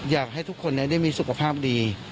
อยากให้ทุกคนได้มีสุขภาพดี